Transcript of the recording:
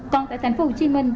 còn tại tp hcm